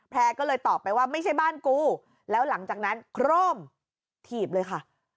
แพร่ก็เลยตอบไปว่าไม่ใช่บ้านกูแล้วหลังจากนั้นโคร่มถีบเลยค่ะ